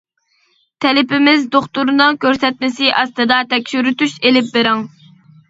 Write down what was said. تەلىپىمىز دوختۇرنىڭ كۆرسەتمىسى ئاستىدا تەكشۈرتۈش ئېلىپ بېرىڭ.